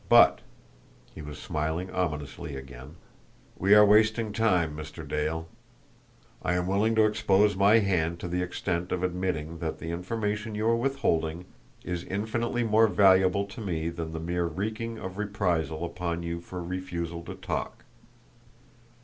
But" he was smiling ominously again "we are wasting time, Mr. Dale. I am willing to expose my hand to the extent of admitting that the information you are withholding is infinitely more valuable to me than the mere wreaking of reprisal upon you for a refusal to talk.